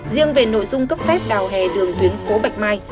riêng về nội dung cấp phép đào hè đường tuyến phố bạch mai